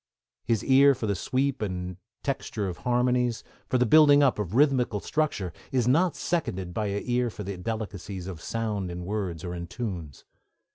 His ear for the sweep and texture of harmonies, for the building up of rhythmical structure, is not seconded by an ear for the delicacies of sound in words or in tunes.